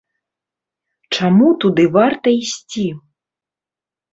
Чаму туды варта ісці?